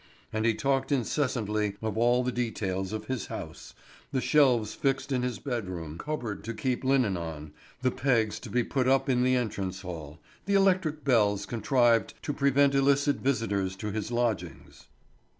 And he talked incessantly of all the details of his house—the shelves fixed in his bed room cupboard to keep linen on, the pegs to be put up in the entrance hall, the electric bells contrived to prevent illicit visitors to his lodgings.